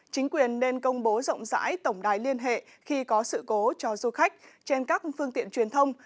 chính quyền nên công bố rộng rãi tổng đài liên hệ khi có sự cố cho du khách trên các phương tiện truyền thông